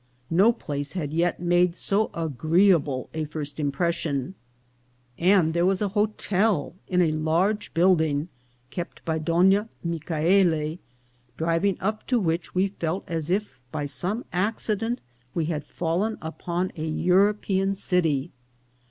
No place had yet made so agreeable a first impression ; and there was a hotel in a large building kept by Donna Michaele? driving up to which we felt as if by some accident we had fallen upon a European city.